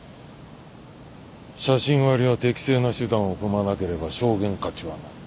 写真割りは適正な手段を踏まなければ証言価値はない。